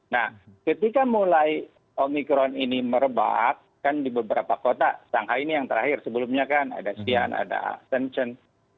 nah ketika mulai omikron ini merebak kan di beberapa kota shanghai ini yang terakhir sebelumnya kan ada sian ada senchen